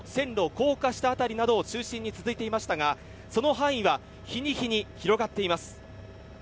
高架下などを中心に続いていましたがその範囲は日に日に広がっています。